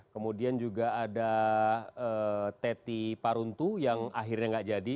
kemudian juga ada teti paruntu yang akhirnya nggak jadi